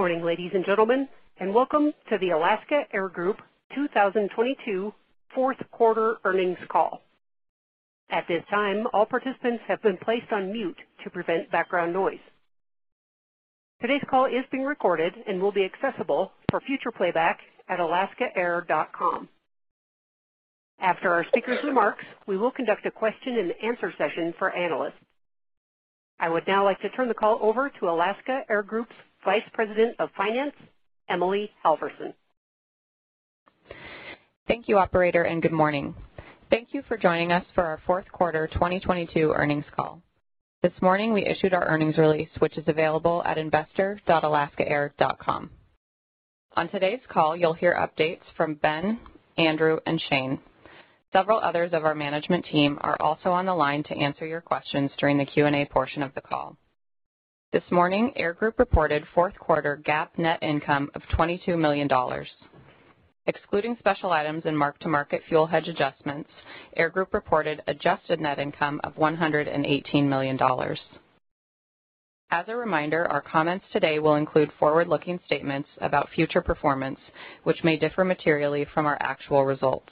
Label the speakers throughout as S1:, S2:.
S1: Good morning, ladies and gentlemen, and welcome to the Alaska Air Group 2022 fourth quarter earnings call. At this time, all participants have been placed on mute to prevent background noise. Today's call is being recorded and will be accessible for future playback at alaskaair.com. After our speakers' remarks, we will conduct a question and answer session for analysts. I would now like to turn the call over to Alaska Air Group's Vice President of Finance, Emily Halvorian.
S2: Thank you, operator. Good morning. Thank you for joining us for our fourth quarter 2022 earnings call. This morning we issued our earnings release, which is available at investor.alaskaair.com. On today's call, you'll hear updates from Ben, Andrew, and Shane. Several others of our management team are also on the line to answer your questions during the Q&A portion of the call. This morning, Air Group reported fourth quarter GAAP net income of $22 million. Excluding special items and mark-to-market fuel hedge adjustments, Air Group reported adjusted net income of $118 million. As a reminder, our comments today will include forward-looking statements about future performance which may differ materially from our actual results.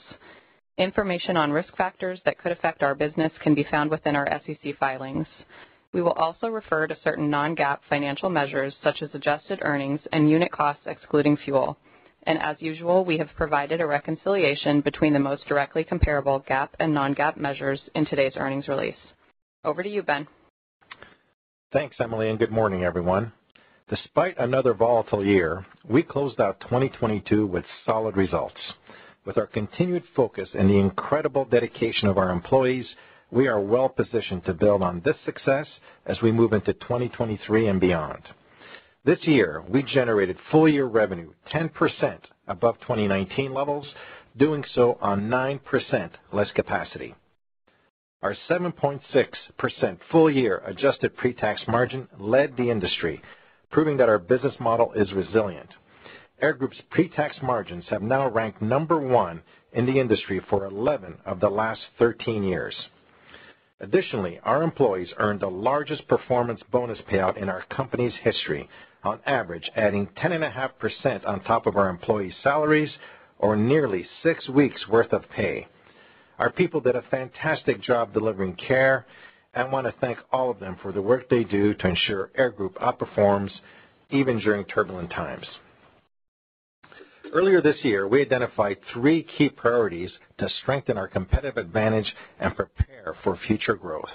S2: Information on risk factors that could affect our business can be found within our SEC filings. We will also refer to certain non-GAAP financial measures such as adjusted earnings and unit costs excluding fuel. As usual, we have provided a reconciliation between the most directly comparable GAAP and non-GAAP measures in today's earnings release. Over to you, Ben.
S3: Thanks, Emily. Good morning, everyone. Despite another volatile year, we closed out 2022 with solid results. With our continued focus and the incredible dedication of our employees, we are well-positioned to build on this success as we move into 2023 and beyond. This year, we generated full-year revenue 10% above 2019 levels, doing so on 9% less capacity. Our 7.6% full-year adjusted pre-tax margin led the industry, proving that our business model is resilient. Air Group's pre-tax margins have now ranked number one in the industry for 11 of the last 13 years. Additionally, our employees earned the largest performance bonus payout in our company's history on average adding 10.5% on top of our employees' salaries or nearly six weeks worth of pay. Our people did a fantastic job delivering care. I want to thank all of them for the work they do to ensure Air Group outperforms even during turbulent times. Earlier this year, we identified 3 key priorities to strengthen our competitive advantage and prepare for future growth.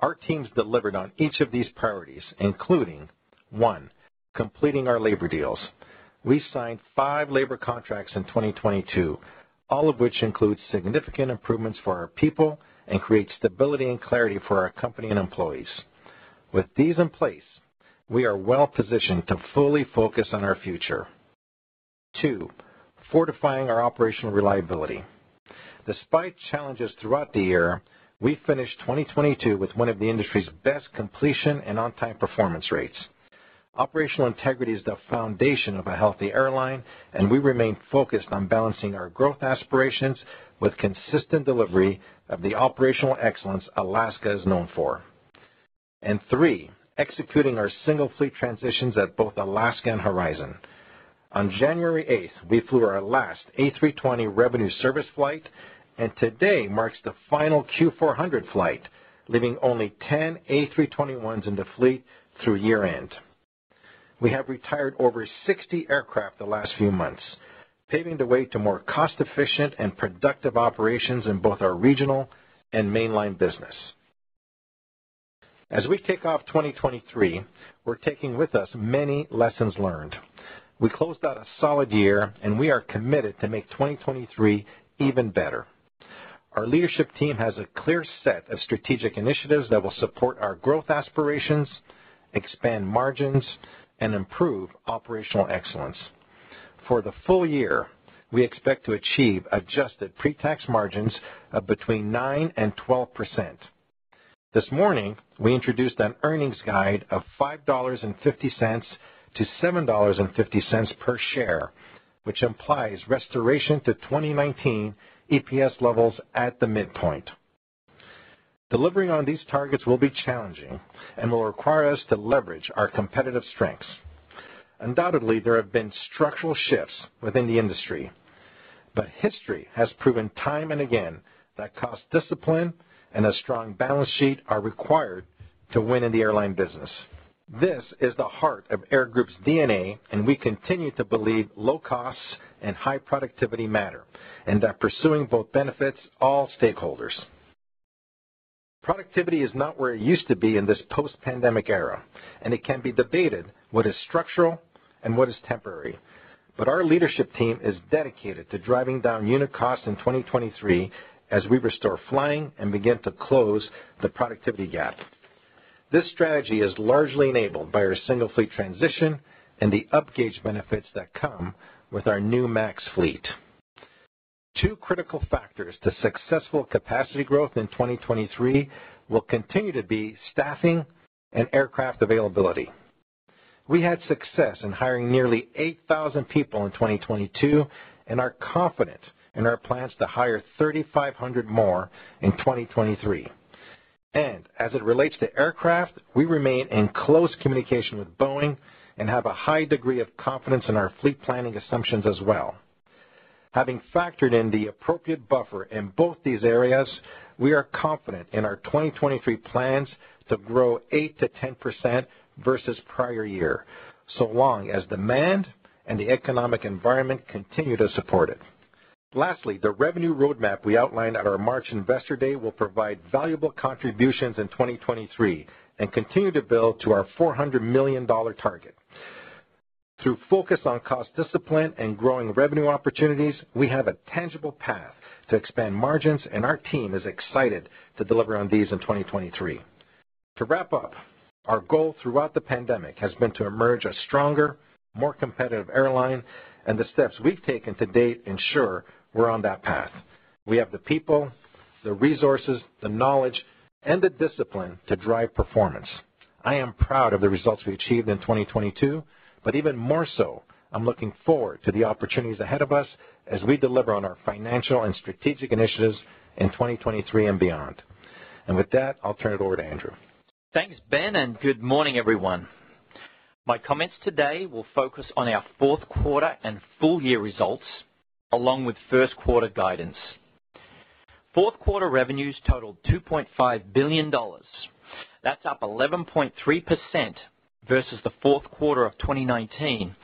S3: Our teams delivered on each of these priorities, including: 1. completing our labor deals. We signed 5 labor contracts in 2022, all of which include significant improvements for our people and create stability and clarity for our company and employees. With these in place, we are well-positioned to fully focus on our future. 2. fortifying our operational reliability. Despite challenges throughout the year, we finished 2022 with 1 of the industry's best completion and on-time performance rates. Operational integrity is the foundation of a healthy airline, and we remain focused on balancing our growth aspirations with consistent delivery of the operational excellence Alaska is known for. Three, executing our single fleet transitions at both Alaska and Horizon. On January eighth, we flew our last A320 revenue service flight, and today marks the final Q400 flight, leaving only 10 A321s in the fleet through year-end. We have retired over 60 aircraft the last few months, paving the way to more cost-efficient and productive operations in both our regional and mainline business. As we kick off 2023, we're taking with us many lessons learned. We closed out a solid year, and we are committed to make 2023 even better. Our leadership team has a clear set of strategic initiatives that will support our growth aspirations, expand margins, and improve operational excellence. For the full year, we expect to achieve adjusted pre-tax margins of between 9% and 12%. This morning, we introduced an earnings guide of $5.50 to $7.50 per share, which implies restoration to 2019 EPS levels at the midpoint. Delivering on these targets will be challenging and will require us to leverage our competitive strengths. Undoubtedly, there have been structural shifts within the industry, but history has proven time and again that cost discipline and a strong balance sheet are required to win in the airline business. This is the heart of Air Group's DNA, and we continue to believe low costs and high productivity matter, and that pursuing both benefits all stakeholders. Productivity is not where it used to be in this post-pandemic era. It can be debated what is structural and what is temporary. Our leadership team is dedicated to driving down unit costs in 2023 as we restore flying and begin to close the productivity gap. This strategy is largely enabled by our single fleet transition and the upgauge benefits that come with our new MAX fleet. Two critical factors to successful capacity growth in 2023 will continue to be staffing and aircraft availability. We had success in hiring nearly 8,000 people in 2022 and are confident in our plans to hire 3,500 more in 2023. As it relates to aircraft, we remain in close communication with Boeing and have a high degree of confidence in our fleet planning assumptions as well. Having factored in the appropriate buffer in both these areas, we are confident in our 2023 plans to grow 8%-10% versus prior year, so long as demand and the economic environment continue to support it. Lastly, the revenue roadmap we outlined at our March Investor Day will provide valuable contributions in 2023 and continue to build to our $400 million target. Through focus on cost discipline and growing revenue opportunities, we have a tangible path to expand margins, and our team is excited to deliver on these in 2023. To wrap up, our goal throughout the pandemic has been to emerge a stronger, more competitive airline, and the steps we've taken to date ensure we're on that path. We have the people, the resources, the knowledge, and the discipline to drive performance. I am proud of the results we achieved in 2022, but even more so, I'm looking forward to the opportunities ahead of us as we deliver on our financial and strategic initiatives in 2023 and beyond. With that, I'll turn it over to Andrew.
S4: Thanks, Ben. Good morning, everyone. My comments today will focus on our fourth quarter and full year results, along with first quarter guidance. Fourth quarter revenues totaled $2.5 billion. That's up 11.3% versus the fourth quarter of 2019,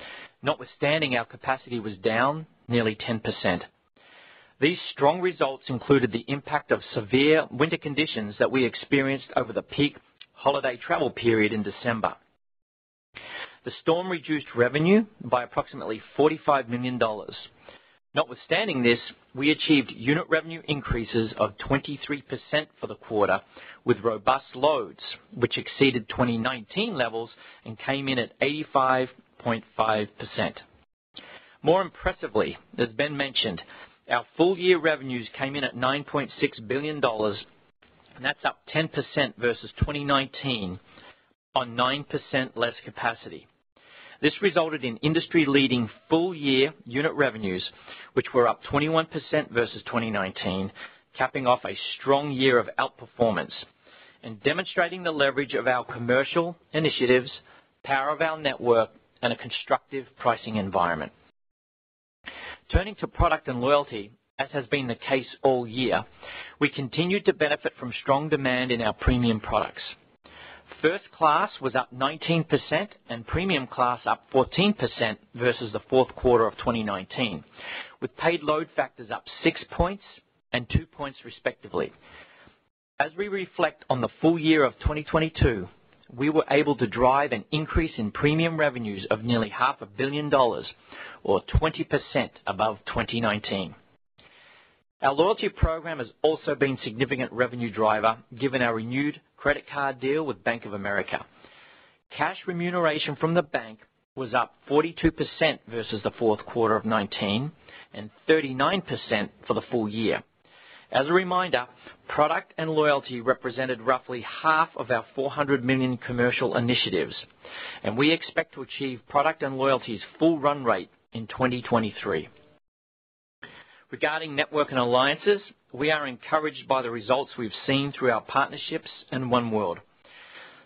S4: notwithstanding our capacity was down nearly 10%. These strong results included the impact of severe winter conditions that we experienced over the peak holiday travel period in December. The storm reduced revenue by approximately $45 million. Notwithstanding this, we achieved unit revenue increases of 23% for the quarter, with robust loads which exceeded 2019 levels and came in at 85.5%. More impressively, as Ben mentioned, our full-year revenues came in at $9.6 billion, and that's up 10% versus 2019 on 9% less capacity. This resulted in industry-leading full-year unit revenues, which were up 21% versus 2019, capping off a strong year of outperformance and demonstrating the leverage of our commercial initiatives, power of our network, and a constructive pricing environment. Turning to product and loyalty, as has been the case all year, we continued to benefit from strong demand in our premium products. First class was up 19% and premium class up 14% versus the fourth quarter of 2019, with paid load factors up six points and two points, respectively. As we reflect on the full year of 2022, we were able to drive an increase in premium revenues of nearly half a billion dollars or 20% above 2019. Our loyalty program has also been a significant revenue driver, given our renewed credit card deal with Bank of America. Cash remuneration from the bank was up 42% versus the fourth quarter of 2019 and 39% for the full year. As a reminder, product and loyalty represented roughly half of our $400 million commercial initiatives. We expect to achieve product and loyalty's full run rate in 2023. Regarding network and alliances, we are encouraged by the results we've seen through our partnerships in oneworld.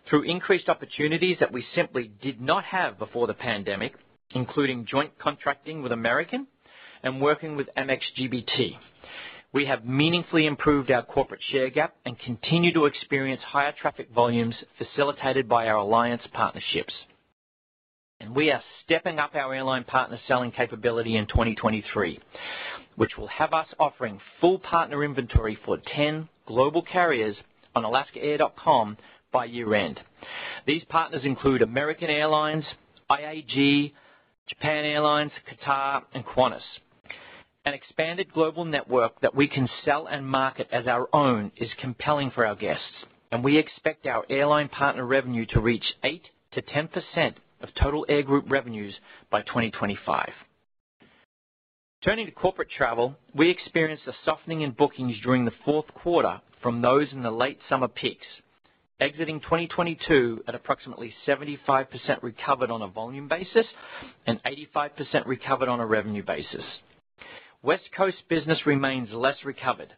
S4: Through increased opportunities that we simply did not have before the pandemic, including joint contracting with American and working with Amex GBT. We have meaningfully improved our corporate share gap and continue to experience higher traffic volumes facilitated by our alliance partnerships. We are stepping up our airline partner selling capability in 2023, which will have us offering full partner inventory for 10 global carriers on alaskaair.com by year-end. These partners include American Airlines, IAG, Japan Airlines, Qatar, and Qantas. An expanded global network that we can sell and market as our own is compelling for our guests, and we expect our airline partner revenue to reach 8%-10% of total Air Group revenues by 2025. Turning to corporate travel, we experienced a softening in bookings during the fourth quarter from those in the late summer peaks, exiting 2022 at approximately 75% recovered on a volume basis and 85% recovered on a revenue basis. West Coast business remains less recovered,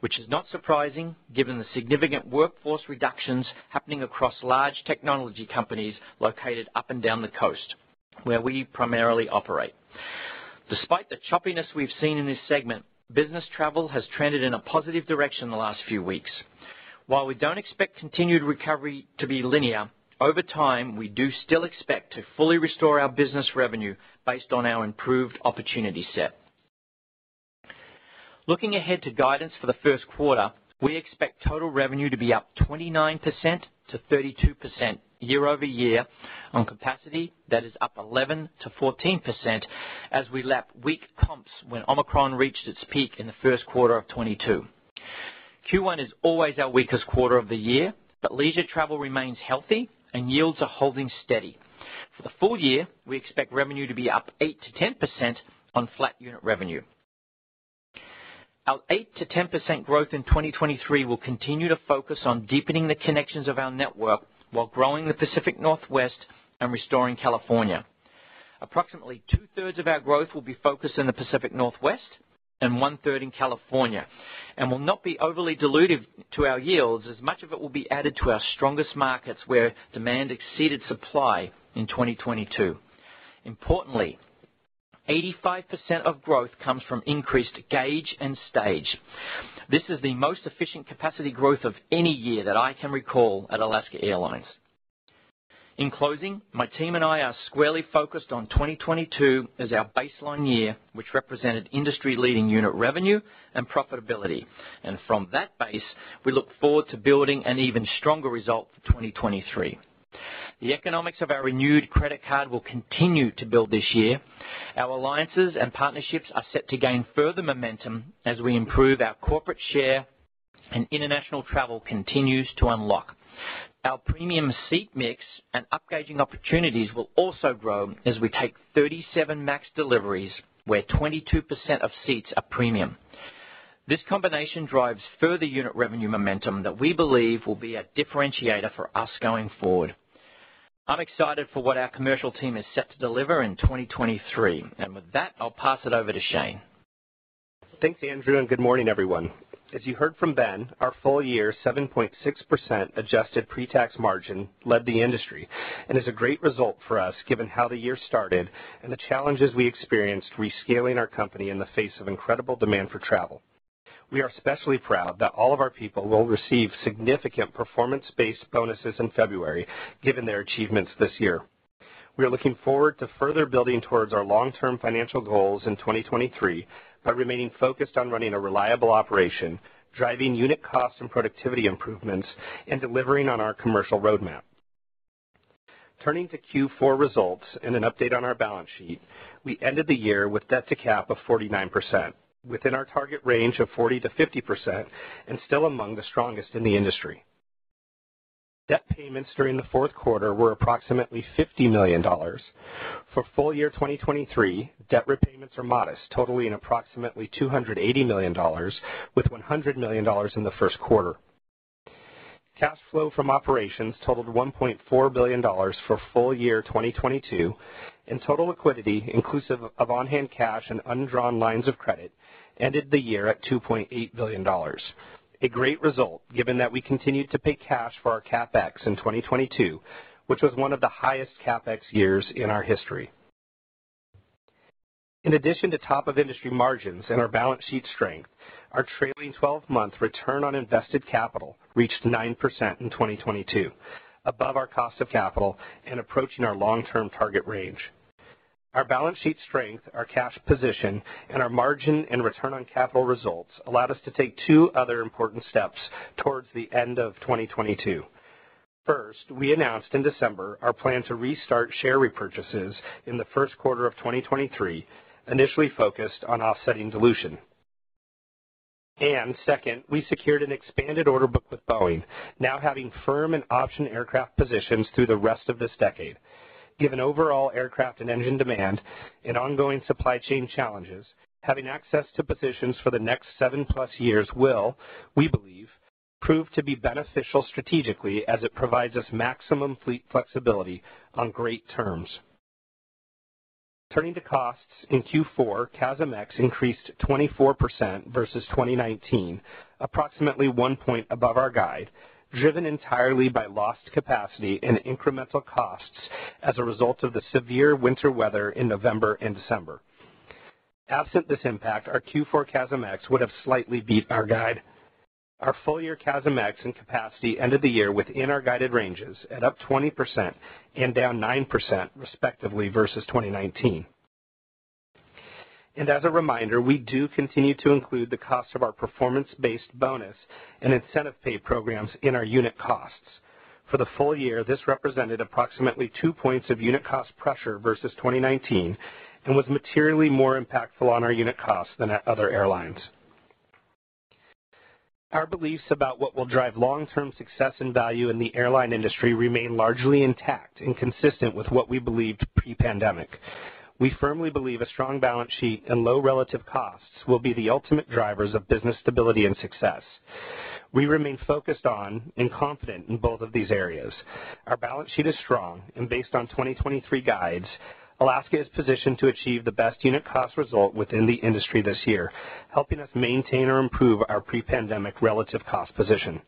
S4: which is not surprising given the significant workforce reductions happening across large technology companies located up and down the coast where we primarily operate. Despite the choppiness we've seen in this segment, business travel has trended in a positive direction in the last few weeks. While we don't expect continued recovery to be linear, over time, we do still expect to fully restore our business revenue based on our improved opportunity set. Looking ahead to guidance for the first quarter, we expect total revenue to be up 29%-32% year-over-year on capacity that is up 11%-14% as we lap weak comps when Omicron reached its peak in the first quarter of 2022. Q1 is always our weakest quarter of the year, but leisure travel remains healthy and yields are holding steady. For the full year, we expect revenue to be up 8%-10% on flat unit revenue. Our 8%-10% growth in 2023 will continue to focus on deepening the connections of our network while growing the Pacific Northwest and restoring California. Approximately 2/3 of our growth will be focused in the Pacific Northwest and 1/3 in California, will not be overly dilutive to our yields as much of it will be added to our strongest markets where demand exceeded supply in 2022. Importantly, 85% of growth comes from increased gauge and stage. This is the most efficient capacity growth of any year that I can recall at Alaska Airlines. In closing, my team and I are squarely focused on 2022 as our baseline year which represented industry-leading unit revenue and profitability. From that base, we look forward to building an even stronger result for 2023. The economics of our renewed credit card will continue to build this year. Our alliances and partnerships are set to gain further momentum as we improve our corporate share and international travel continues to unlock. Our premium seat mix and upgauging opportunities will also grow as we take 37 MAX deliveries, where 22% of seats are premium. This combination drives further unit revenue momentum that we believe will be a differentiator for us going forward. I'm excited for what our commercial team is set to deliver in 2023. With that, I'll pass it over to Shane.
S5: Thanks, Andrew. Good morning everyone. As you heard from Ben, our full year 7.6% adjusted pre-tax margin led the industry and is a great result for us given how the year started and the challenges we experienced rescaling our company in the face of incredible demand for travel. We are especially proud that all of our people will receive significant performance-based bonuses in February, given their achievements this year. We are looking forward to further building towards our long-term financial goals in 2023 by remaining focused on running a reliable operation, driving unit costs and productivity improvements, and delivering on our commercial roadmap. Turning to Q4 results and an update on our balance sheet, we ended the year with debt to cap of 49%, within our target range of 40%-50% and still among the strongest in the industry. Debt payments during the fourth quarter were approximately $50 million. For full year 2023, debt repayments are modest, totaling approximately $280 million, with $100 million in the first quarter. Cash flow from operations totaled $1.4 billion for full year 2022, and total liquidity, inclusive of on-hand cash and undrawn lines of credit, ended the year at $2.8 billion. A great result given that we continued to pay cash for our CapEx in 2022, which was one of the highest CapEx years in our history. In addition to top of industry margins and our balance sheet strength, our trailing twelve-month return on invested capital reached 9% in 2022, above our cost of capital and approaching our long-term target range. Our balance sheet strength, our cash position, and our margin and return on capital results allowed us to take two other important steps towards the end of 2022. First, we announced in December our plan to restart share repurchases in the first quarter of 2023, initially focused on offsetting dilution. Second, we secured an expanded order book with Boeing, now having firm and option aircraft positions through the rest of this decade. Given overall aircraft and engine demand and ongoing supply chain challenges, having access to positions for the next 7+ years will, we believe, prove to be beneficial strategically as it provides us maximum fleet flexibility on great terms. Turning to costs in Q4, CASM-ex increased 24% versus 2019, approximately 1 point above our guide, driven entirely by lost capacity and incremental costs as a result of the severe winter weather in November and December. Absent this impact, our Q4 CASM-ex would have slightly beat our guide. Our full year CASM-ex and capacity ended the year within our guided ranges at up 20% and down 9% respectively, versus 2019. As a reminder, we do continue to include the cost of our performance-based bonus and incentive pay programs in our unit costs. For the full year, this represented approximately 2 points of unit cost pressure versus 2019 and was materially more impactful on our unit costs than at other airlines. Our beliefs about what will drive long-term success and value in the airline industry remain largely intact and consistent with what we believed pre-pandemic. We firmly believe a strong balance sheet and low relative costs will be the ultimate drivers of business stability and success. We remain focused on and confident in both of these areas. Our balance sheet is strong and based on 2023 guides, Alaska is positioned to achieve the best unit cost result within the industry this year, helping us maintain or improve our pre-pandemic relative cost position.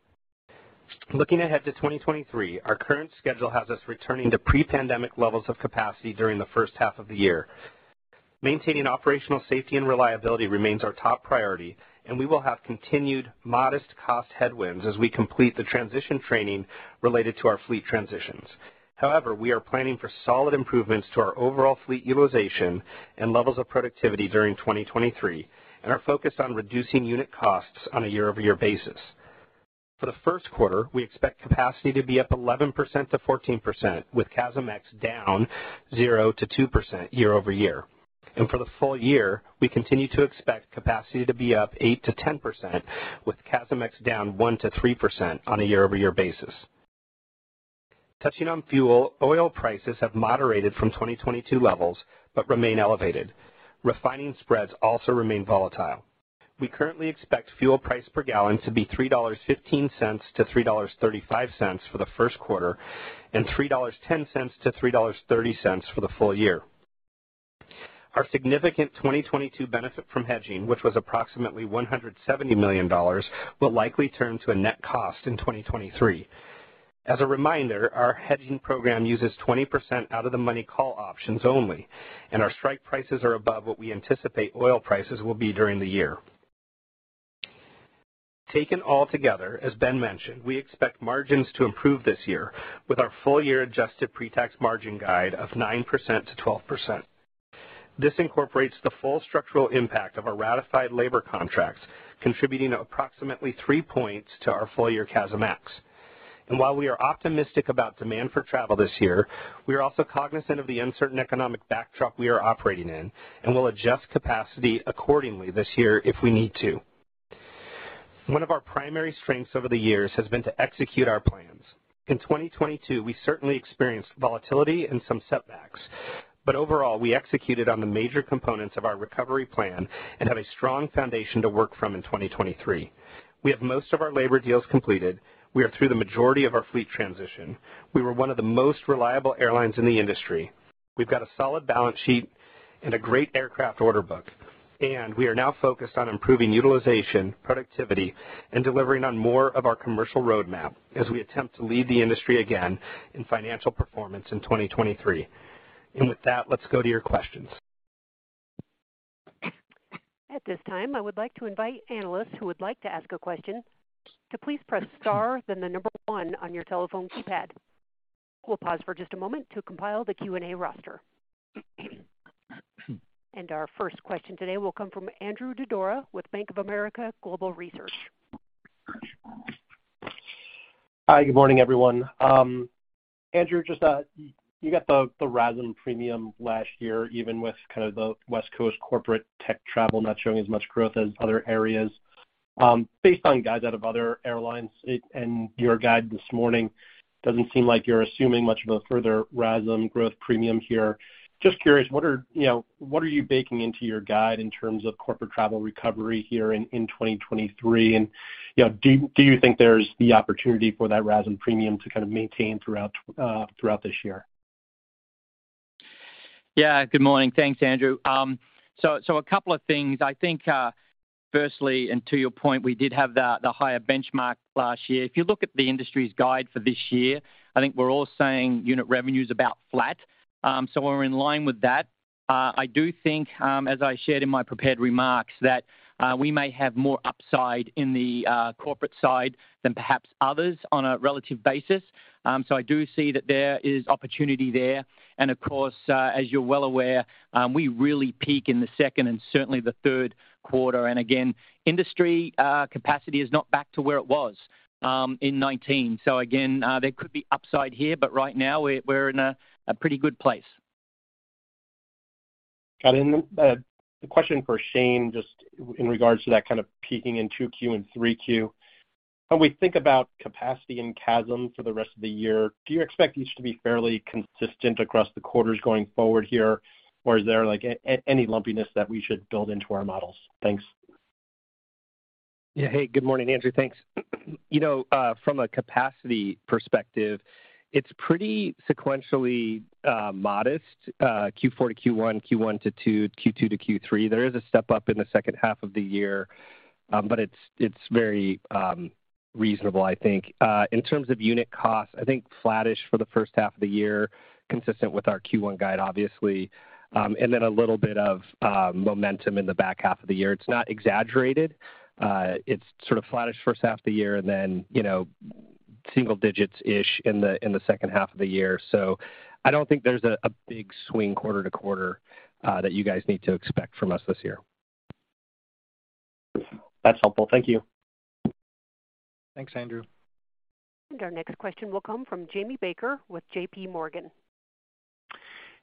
S5: Looking ahead to 2023, our current schedule has us returning to pre-pandemic levels of capacity during the first half of the year. Maintaining operational safety and reliability remains our top priority, and we will have continued modest cost headwinds as we complete the transition training related to our fleet transitions. We are planning for solid improvements to our overall fleet utilization and levels of productivity during 2023, and are focused on reducing unit costs on a year-over-year basis. For the first quarter, we expect capacity to be up 11%-14%, with CASM-ex down 0%-2% year-over-year. For the full year, we continue to expect capacity to be up 8%-10%, with CASM-ex down 1%-3% on a year-over-year basis. Touching on fuel, oil prices have moderated from 2022 levels but remain elevated. Refining spreads also remain volatile. We currently expect fuel price per gallon to be $3.15-$3.35 for the first quarter, and $3.10-$3.30 for the full year. Our significant 2022 benefit from hedging, which was approximately $170 million, will likely turn to a net cost in 2023. As a reminder, our hedging program uses 20% out of the money call options only. Our strike prices are above what we anticipate oil prices will be during the year. Taken all together, as Ben mentioned, we expect margins to improve this year with our full year adjusted pre-tax margin guide of 9%-12%. This incorporates the full structural impact of our ratified labor contracts, contributing approximately three points to our full-year CASM-ex. While we are optimistic about demand for travel this year, we are also cognizant of the uncertain economic backdrop we are operating in and will adjust capacity accordingly this year if we need to. One of our primary strengths over the years has been to execute our plans. In 2022, we certainly experienced volatility and some setbacks. Overall, we executed on the major components of our recovery plan and have a strong foundation to work from in 2023. We have most of our labor deals completed. We are through the majority of our fleet transition. We were one of the most reliable airlines in the industry. We've got a solid balance sheet and a great aircraft order book. We are now focused on improving utilization, productivity, and delivering on more of our commercial roadmap as we attempt to lead the industry again in financial performance in 2023. With that, let's go to your questions.
S1: At this time, I would like to invite analysts who would like to ask a question to please press star, then 1 on your telephone keypad. We'll pause for just a moment to compile the Q&A roster. Our first question today will come from Andrew Didora with Bank of America Global Research.
S6: Hi. Good morning, everyone. Andrew, just, you got the RASM premium last year, even with kind of the West Coast corporate tech travel not showing as much growth as other areas. Based on guides out of other airlines and your guide this morning, doesn't seem like you're assuming much of a further RASM growth premium here. Just curious, what are, you know, what are you baking into your guide in terms of corporate travel recovery here in 2023? You know, do you think there's the opportunity for that RASM premium to kind of maintain throughout throughout this year?
S4: Yeah. Good morning. Thanks, Andrew. A couple of things. I think firstly, and to your point, we did have the higher benchmark last year. If you look at the industry's guide for this year, I think we're all saying unit revenue is about flat. We're in line with that. I do think as I shared in my prepared remarks, that we may have more upside in the corporate side than perhaps others on a relative basis. I do see that there is opportunity there. Of course, as you're well aware, we really peak in the second and certainly the third quarter. Again, industry capacity is not back to where it was in 2019. Again, there could be upside here, but right now we're in a pretty good place.
S6: Got it. A question for Shane, just in regards to that kind of peaking in two Q and three Q. When we think about capacity and CASM for the rest of the year, do you expect these to be fairly consistent across the quarters going forward here? Is there, like, any lumpiness that we should build into our models? Thanks.
S5: Hey, good morning, Andrew. Thanks. You know, from a capacity perspective, it's pretty sequentially modest, Q four to Q one, Q one to 2, Q two to Q three. There is a step-up in the second half of the year. It's, it's very reasonable, I think. In terms of unit costs, I think flattish for the first half of the year, consistent with our Q one guide, obviously. Then a little bit of momentum in the back half of the year. It's not exaggerated. It's sort of flattish first half of the year and then, you know, single digits-ish in the second half of the year. I don't think there's a big swing quarter to quarter that you guys need to expect from us this year.
S6: That's helpful. Thank you.
S4: Thanks, Andrew.
S1: Our next question will come from Jamie Baker with JP Morgan.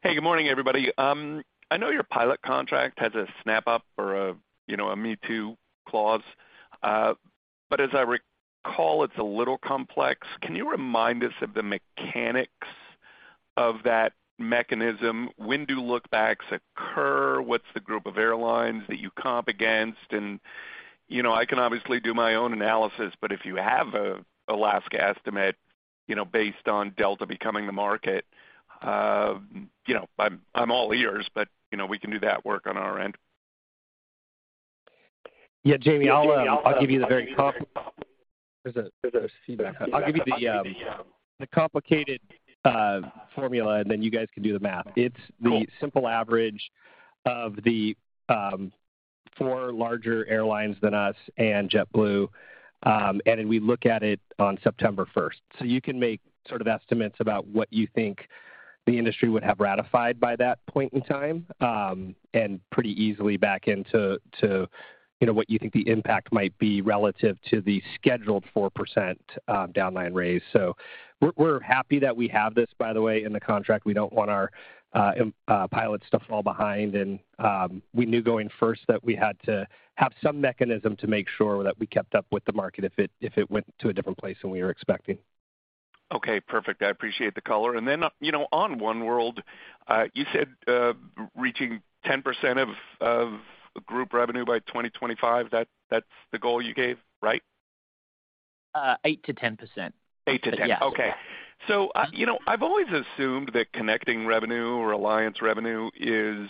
S7: Hey, good morning, everybody. I know your pilot contract has a snap up or a me-too clause. As I recall, it's a little complex. Can you remind us of the mechanics of that mechanism? When do look backs occur? What's the group of airlines that you comp against? You know, I can obviously do my own analysis, but if you have a Alaska estimate, you know, based on Delta becoming the market, you know, I'm all ears, you know, we can do that work on our end.
S5: Yeah, Jamie, There's a feedback. I'll give you the complicated formula. Then you guys can do the math.
S7: Cool.
S5: It's the simple average of the four larger airlines than us and JetBlue. We look at it on September first. You can make sort of estimates about what you think the industry would have ratified by that point in time and pretty easily back into, you know, what you think the impact might be relative to the scheduled 4% down line raise. We're happy that we have this, by the way, in the contract. We don't want our pilots to fall behind. We knew going first that we had to have some mechanism to make sure that we kept up with the market if it went to a different place than we were expecting.
S7: Okay, perfect. I appreciate the color. You know, on oneworld, you said reaching 10% of group revenue by 2025. That's the goal you gave, right?
S4: Uh, eight to ten percent.
S7: Eight to 10.
S4: Yeah.
S7: You know, I've always assumed that connecting revenue or alliance revenue is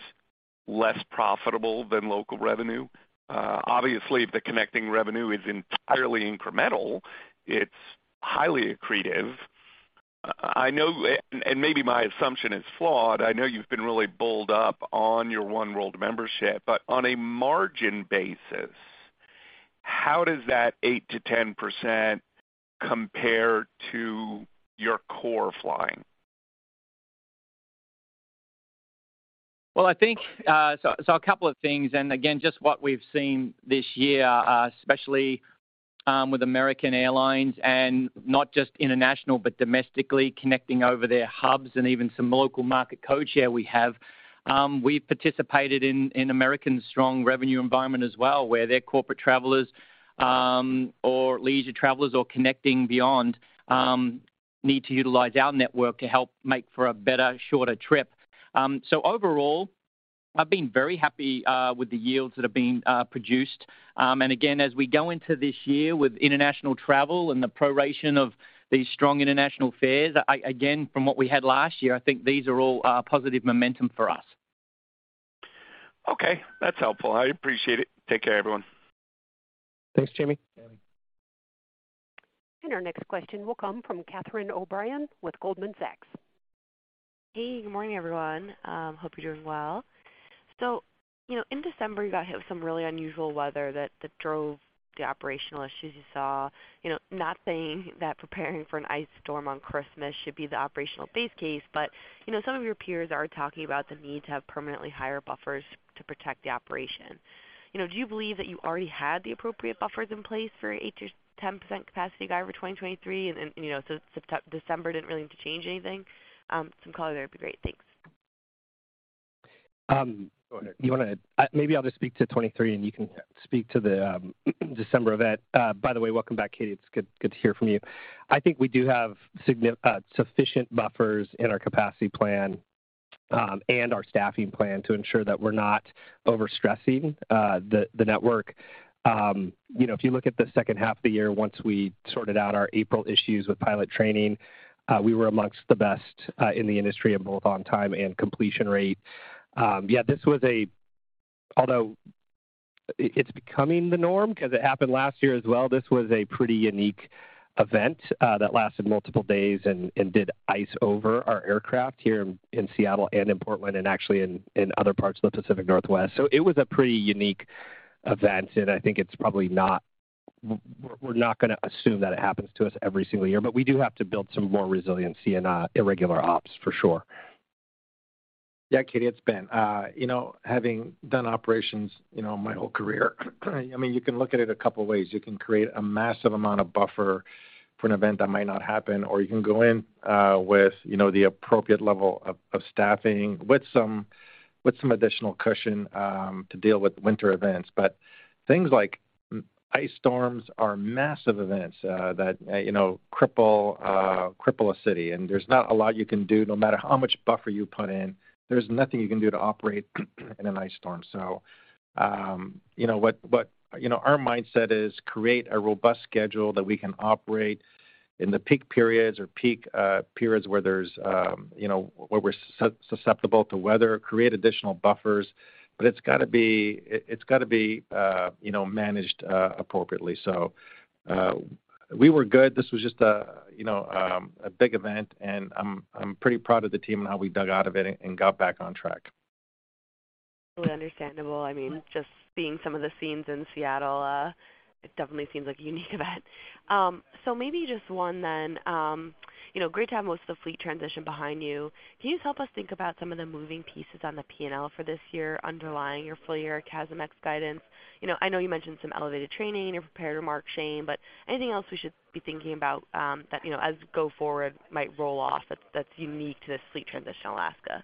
S7: less profitable than local revenue. Obviously, if the connecting revenue is entirely incremental, it's highly accretive. Maybe my assumption is flawed. I know you've been really bulled up on your oneworld membership. On a margin basis, how does that 8%-10% compare to your core flying?
S4: I think a couple of things, and again, just what we've seen this year, especially with American Airlines and not just international, but domestically connecting over their hubs and even some local market code share we have. We participated in American's strong revenue environment as well, where their corporate travelers or leisure travelers or connecting beyond need to utilize our network to help make for a better, shorter trip. Overall, I've been very happy with the yields that are being produced. Again, as we go into this year with international travel and the proration of these strong international fares, again, from what we had last year, I think these are all positive momentum for us.
S7: Okay. That's helpful. I appreciate it. Take care, everyone.
S5: Thanks, Jimmy.
S4: Thanks.
S1: Our next question will come from Catherine O'Brien with Goldman Sachs.
S8: Hey, good morning, everyone. Hope you're doing well. You know, in December, you got hit with some really unusual weather that drove the operational issues you saw. You know, not saying that preparing for an ice storm on Christmas should be the operational base case, but, you know, some of your peers are talking about the need to have permanently higher buffers to protect the operation. You know, do you believe that you already had the appropriate buffers in place for 8%-10% capacity guide for 2023, and then, you know, so December didn't really need to change anything? Some color there would be great. Thanks.
S5: Um.
S3: Go ahead.
S5: You maybe I'll just speak to 23, and you can speak to the December event. By the way, welcome back, Katie. It's good to hear from you. I think we do have sufficient buffers in our capacity plan, and our staffing plan to ensure that we're not overstressing the network. You know, if you look at the second half of the year, once we sorted out our April issues with pilot training, we were amongst the best in the industry in both on time and completion rate. Yeah, although it's becoming the norm 'cause it happened last year as well, this was a pretty unique event that lasted multiple days and did ice over our aircraft here in Seattle and in Portland and actually in other parts of the Pacific Northwest. It was a pretty unique event. We're not gonna assume that it happens to us every single year, but we do have to build some more resiliency in irregular ops for sure.
S3: Yeah, Katie, it's Ben. you know, having done operations, you know, my whole career, I mean, you can look at it a couple of ways. You can create a massive amount of buffer for an event that might not happen, or you can go in with, you know, the appropriate level of staffing with some additional cushion to deal with winter events. Things like ice storms are massive events that, you know, cripple a city, and there's not a lot you can do. No matter how much buffer you put in, there's nothing you can do to operate in an ice storm. You know what? You know, our mindset is create a robust schedule that we can operate in the peak periods or peak periods where there's, you know, where we're susceptible to weather, create additional buffers. It's gotta be, you know, managed appropriately. We were good. This was just a, you know, a big event, and I'm pretty proud of the team and how we dug out of it and got back on track.
S8: Totally understandable. I mean, just seeing some of the scenes in Seattle, it definitely seems like a unique event. Maybe just one then. You know, great to have most of the fleet transition behind you. Can you just help us think about some of the moving pieces on the P&L for this year underlying your full-year CASM-ex guidance? You know, I know you mentioned some elevated training you're prepared to mark, Shane, but anything else we should be thinking about, that, you know, as go forward might roll off that's unique to this fleet transition Alaska?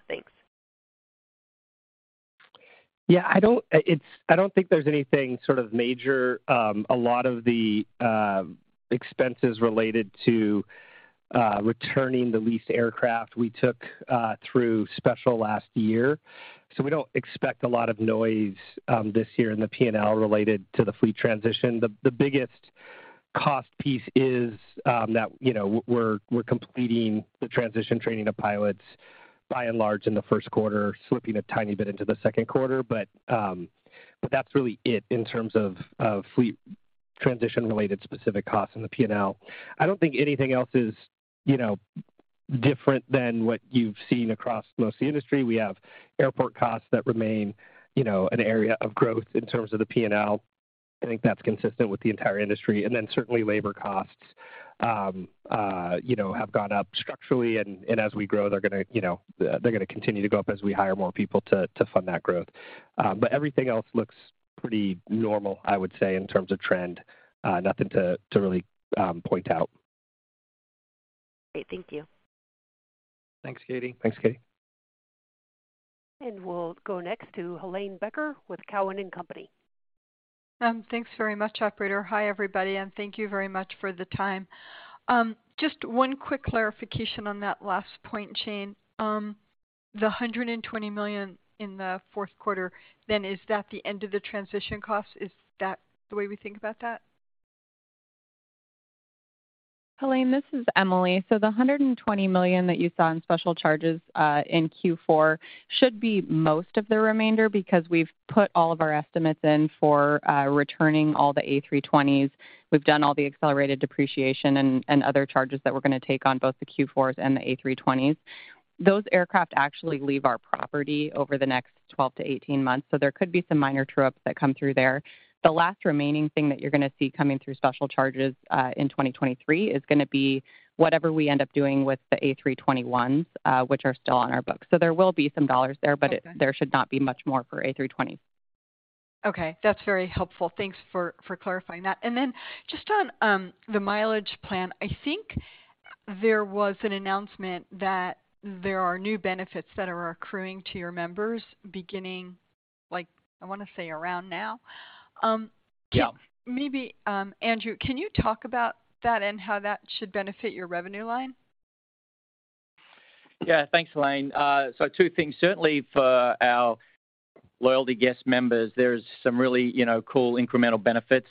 S8: Thanks.
S5: Yeah, I don't think there's anything sort of major. A lot of the expenses related to returning the leased aircraft we took through special last year, so we don't expect a lot of noise this year in the P&L related to the fleet transition. The biggest cost piece is that, you know, we're completing the transition training of pilots by and large in the first quarter, slipping a tiny bit into the second quarter. That's really it in terms of fleet transition-related specific costs in the P&L. I don't think anything else is, you know, different than what you've seen across most of the industry. We have airport costs that remain, you know, an area of growth in terms of the P&L. I think that's consistent with the entire industry. Certainly labor costs, you know, have gone up structurally. As we grow, they're gonna, you know, they're gonna continue to go up as we hire more people to fund that growth. Everything else looks pretty normal, I would say, in terms of trend. Nothing to really point out.
S8: Great. Thank you.
S5: Thanks, Katie.
S3: Thanks, Katie.
S1: We'll go next to Helane Becker with Cowen and Company.
S9: Thanks very much, operator. Hi, everybody, thank you very much for the time. Just one quick clarification on that last point, Shane. The $120 million in the fourth quarter, is that the end of the transition cost? Is that the way we think about that?
S2: Helane, this is Emily. The $120 million that you saw in special charges in Q4 should be most of the remainder because we've put all of our estimates in for returning all the A320s. We've done all the accelerated depreciation and other charges that we're gonna take on both the Q400s and the A320s. Those aircraft actually leave our property over the next 12 to 18 months, so there could be some minor true-ups that come through there. The last remaining thing that you're gonna see coming through special charges in 2023 is gonna be whatever we end up doing with the A321s, which are still on our books. There will be some dollars there.
S9: Okay.
S2: There should not be much more for A320s.
S9: Okay. That's very helpful. Thanks for clarifying that. Just on the Mileage Plan, I think there was an announcement that there are new benefits that are accruing to your members beginning, like, I wanna say around now.
S4: Yeah.
S9: Maybe, Andrew, can you talk about that and how that should benefit your revenue line?
S4: Yeah. Thanks, Helane. Two things. Certainly for our loyalty guest members, there's some really, you know, cool incremental benefits,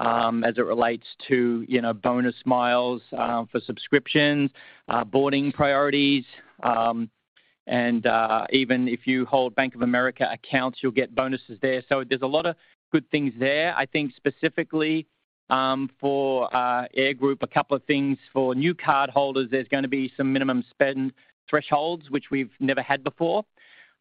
S4: as it relates to, you know, bonus miles, for subscriptions, boarding priorities, and even if you hold Bank of America accounts, you'll get bonuses there. There's a lot of good things there. I think specifically, for our Air Group, a couple of things. For new cardholders, there's gonna be some minimum spend thresholds, which we've never had before.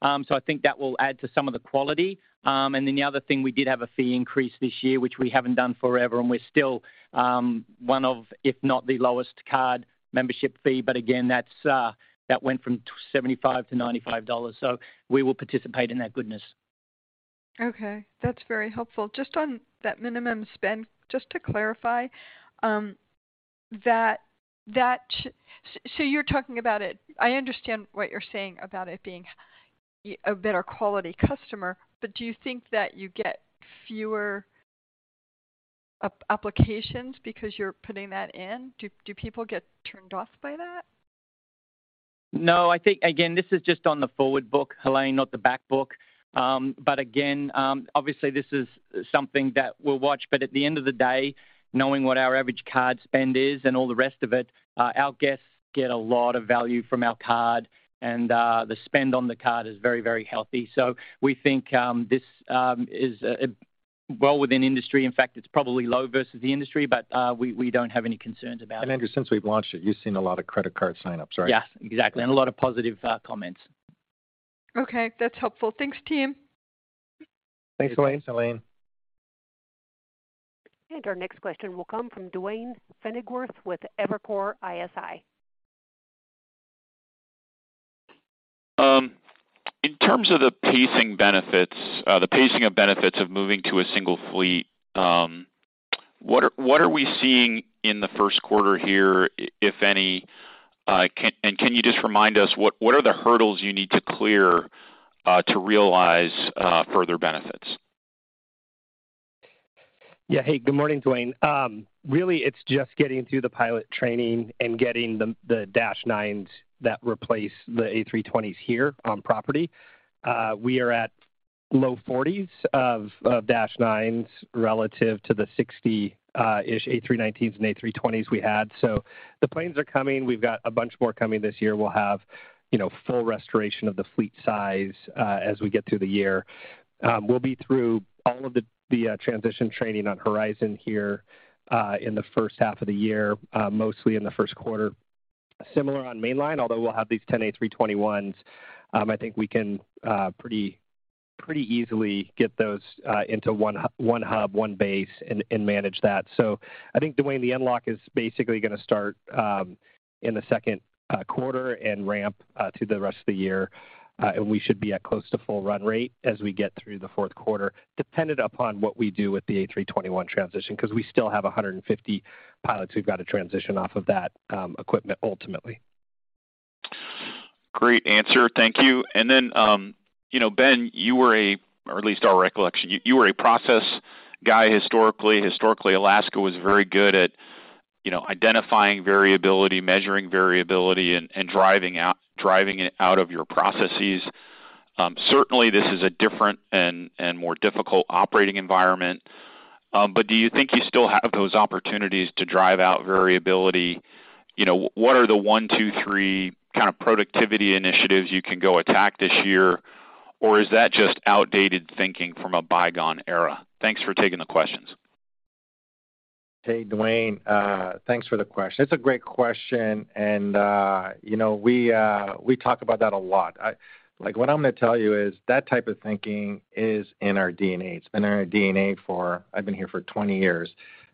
S4: I think that will add to some of the quality. And then the other thing, we did have a fee increase this year, which we haven't done forever, and we're still, one of, if not the lowest card membership fee. Again, that went from $75-$95, so we will participate in that goodness.
S9: Okay. That's very helpful. Just on that minimum spend, just to clarify, So you're talking about it... I understand what you're saying about it being a better quality customer, but do you think that you get fewer applications because you're putting that in? Do people get turned off by that?
S4: No, I think, again, this is just on the forward book, Helane, not the back book. Again, obviously this is something that we'll watch, but at the end of the day, knowing what our average card spend is and all the rest of it, our guests get a lot of value from our card and the spend on the card is very, very healthy. We think this is well within industry. In fact, it's probably low versus the industry, but we don't have any concerns about it.
S5: Andrew, since we've launched it, you've seen a lot of credit card sign-ups, right?
S4: Yes. Exactly. A lot of positive comments.
S9: Okay. That's helpful. Thanks, team.
S5: Thanks, Helane.
S4: Thanks, Helane. Our next question will come from Duane Pfennigwerth with Evercore ISI.
S10: In terms of the pacing of benefits of moving to a single fleet, what are we seeing in the first quarter here, if any? Can you just remind us what are the hurdles you need to clear to realize further benefits?
S5: Yeah. Hey, good morning, Duane. Really, it's just getting through the pilot training and getting the Dash 9s that replace the A320s here on property. We are at low 40s of Dash 9s relative to the 60 A319s and A320s we had. The planes are coming. We've got a bunch more coming this year. We'll have, you know, full restoration of the fleet size as we get through the year. We'll be through all of the transition training on Horizon here in the first half of the year, mostly in the first quarter. Similar on mainline, although we'll have these 10 A321s, I think we can pretty easily get those into one hub, one base, and manage that. I think, Duane, the unlock is basically gonna start in the second quarter and ramp through the rest of the year. We should be at close to full run rate as we get through the fourth quarter, dependent upon what we do with the A321 transition, 'cause we still have 150 pilots who've got to transition off of that equipment ultimately.
S10: Great answer. Thank you. You know, Ben, you were or at least our recollection, you were a process guy historically. Historically, Alaska was very good at, you know, identifying variability, measuring variability, and driving out, driving it out of your processes. Certainly this is a different and more difficult operating environment. Do you think you still have those opportunities to drive out variability? You know, what are the 1, 2, 3 kinda productivity initiatives you can go attack this year? Or is that just outdated thinking from a bygone era? Thanks for taking the questions.
S3: Hey, Duane. Thanks for the question. It's a great question, you know, we talk about that a lot. What I'm gonna tell you is that type of thinking is in our DNA. It's been in our DNA for... I've been here for 20 years,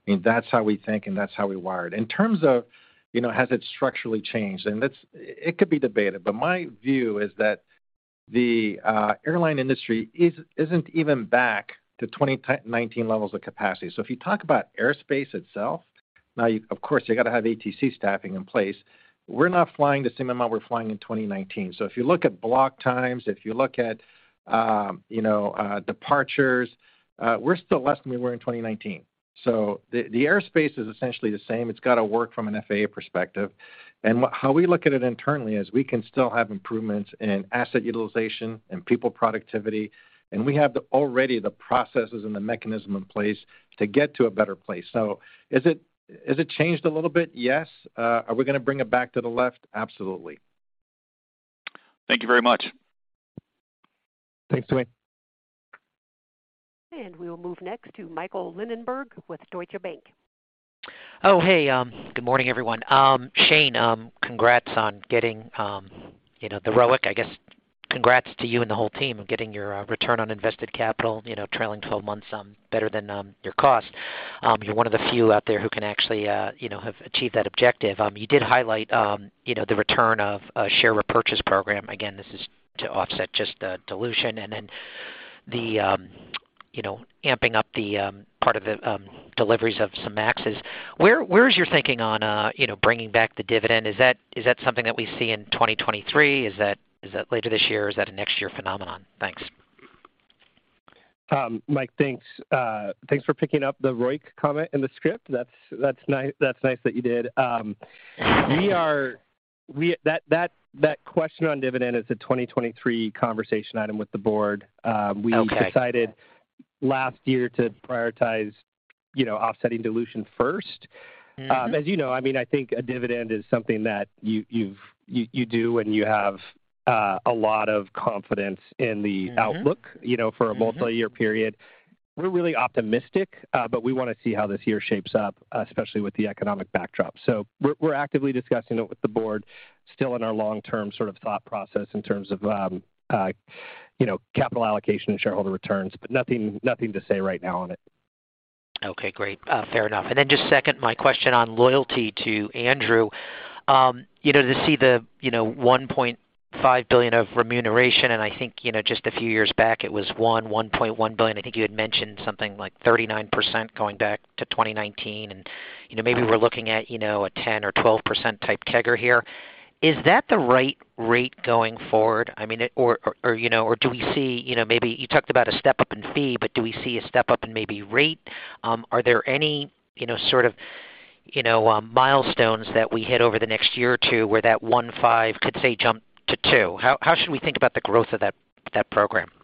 S3: and that's how we think, and that's how we're wired. In terms of, you know, has it structurally changed, it could be debated, but my view is that the airline industry isn't even back to 19 levels of capacity. If you talk about airspace itself.
S4: You, of course, you gotta have ATC staffing in place. We're not flying the same amount we're flying in 2019. If you look at block times, if you look at, you know, departures, we're still less than we were in 2019. The airspace is essentially the same. It's gotta work from an FAA perspective. How we look at it internally is we can still have improvements in asset utilization and people productivity, and we have the already the processes and the mechanism in place to get to a better place. Is it changed a little bit? Yes. Are we gonna bring it back to the left? Absolutely.
S10: Thank you very much.
S5: Thanks, Duane.
S1: We will move next to Michael Linenberg with Deutsche Bank.
S11: Good morning, everyone. Shane, congrats on getting, you know, the ROIC. I guess congrats to you and the whole team of getting your return on invested capital, you know, trailing twelve months on better than your cost. You're one of the few out there who can actually, you know, have achieved that objective. You did highlight, you know, the return of a share repurchase program. Again, this is to offset just the dilution and then the, you know, amping up the part of the deliveries of some MAXes. Where is your thinking on, you know, bringing back the dividend? Is that something that we see in 2023? Is that later this year? Is that a next year phenomenon? Thanks.
S5: Mike, thanks. Thanks for picking up the ROIC comment in the script. That's nice that you did. That question on dividend is a 2023 conversation item with the board.
S11: Okay.
S5: -decided last year to prioritize, you know, offsetting dilution first.
S11: Mm-hmm.
S5: As you know, I mean, I think a dividend is something that you do when you have a lot of confidence in the outlook.
S11: Mm-hmm.
S5: you know, for a multiyear period. We're really optimistic. We wanna see how this year shapes up, especially with the economic backdrop. We're actively discussing it with the board, still in our long-term sort of thought process in terms of, you know, capital allocation and shareholder returns. Nothing to say right now on it.
S11: Okay, great. Fair enough. Just second, my question on loyalty to Andrew. You know, to see the, you know, $1.5 billion of remuneration, and I think, you know, just a few years back, it was $1.1 billion. I think you had mentioned something like 39% going back to 2019. You know, maybe we're looking at, you know, a 10% or 12% type CAGR here. Is that the right rate going forward? I mean, or, you know, or do we see, you know, maybe you talked about a step-up in fee, but do we see a step-up in maybe rate? Are there any, you know, sort of, you know, milestones that we hit over the next year or two where that $1.5 billion could, say, jump to $2 billion? How should we think about the growth of that program?
S4: Yeah,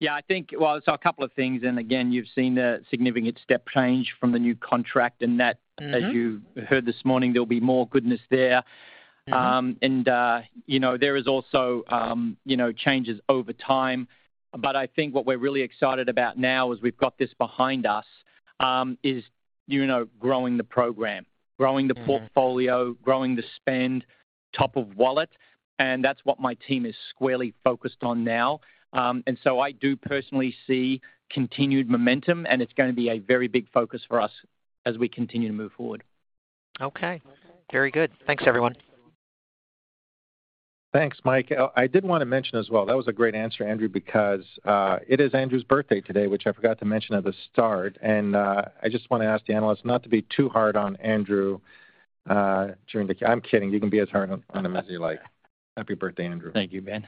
S4: Well, a couple of things, again, you've seen a significant step change from the new contract, and that...
S11: Mm-hmm.
S4: -as you heard this morning, there'll be more goodness there. You know, there is also, you know, changes over time. I think what we're really excited about now is we've got this behind us, is, you know, growing the program, growing the portfolio-
S11: Mm-hmm.
S4: growing the spend top of wallet, and that's what my team is squarely focused on now. I do personally see continued momentum, and it's gonna be a very big focus for us as we continue to move forward.
S11: Okay. Very good. Thanks, everyone.
S3: Thanks, Mike. I did wanna mention as well, that was a great answer, Andrew, because it is Andrew's birthday today, which I forgot to mention at the start. I just wanna ask the analysts not to be too hard on Andrew during the... I'm kidding. You can be as hard on him as you like. Happy birthday, Andrew.
S5: Thank you, Ben.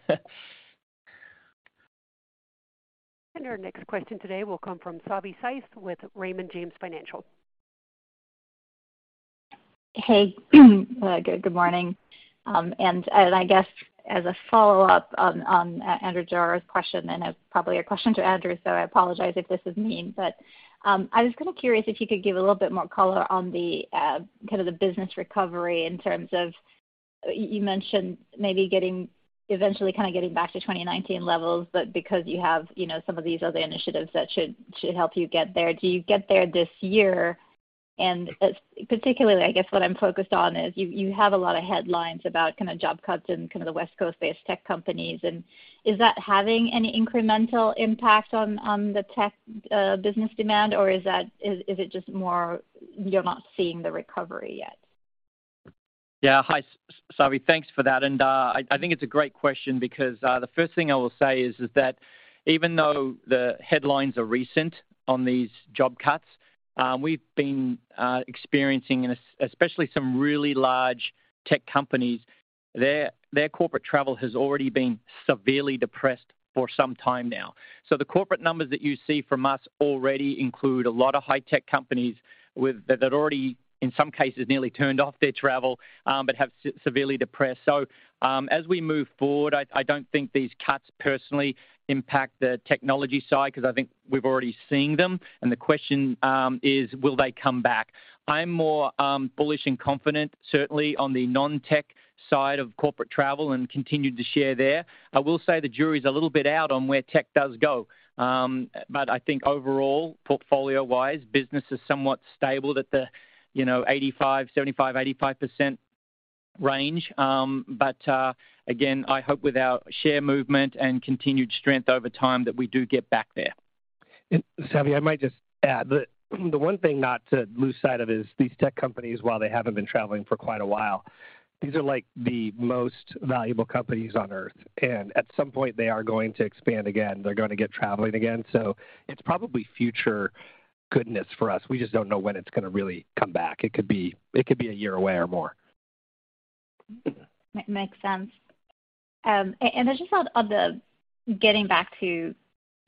S1: Our next question today will come from Savanthi Syth with Raymond James Financial.
S12: Hey, good morning. I guess as a follow-up on Andrew Didora's question, it's probably a question to Andrew, so I apologize if this is mean, but, I was kind of curious if you could give a little bit more color on the kind of the business recovery in terms of you mentioned maybe eventually kinda getting back to 2019 levels, because you have, you know, some of these other initiatives that should help you get there. Do you get there this year? Particularly, I guess what I'm focused on is you have a lot of headlines about kind of job cuts in kind of the West Coast-based tech companies. Is that having any incremental impact on the tech business demand, or is it just more you're not seeing the recovery yet?
S4: Yeah. Hi, Savi. Thanks for that. I think it's a great question because the first thing I will say is that even though the headlines are recent on these job cuts, we've been experiencing, and especially some really large tech companies, their corporate travel has already been severely depressed for some time now. The corporate numbers that you see from us already include a lot of high tech companies that already, in some cases, nearly turned off their travel, but have severely depressed. As we move forward, I don't think these cuts personally impact the technology side because I think we've already seen them, and the question is will they come back? I'm more bullish and confident, certainly on the non-tech side of corporate travel and continued to share there. I will say the jury is a little bit out on where tech does go. I think overall, portfolio-wise, business is somewhat stable at the, you know, 85%, 75%, 85% range. Again, I hope with our share movement and continued strength over time that we do get back there.
S5: Savi, I might just add, the one thing not to lose sight of is these tech companies, while they haven't been traveling for quite a while, these are like the most valuable companies on Earth. At some point, they are going to expand again. They're going to get traveling again. It's probably future goodness for us. We just don't know when it's gonna really come back. It could be a year away or more.
S12: Makes sense. I just thought of getting back to